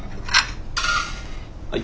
はい。